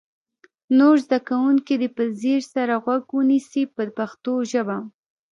نور زده کوونکي دې په ځیر سره غوږ ونیسي په پښتو ژبه.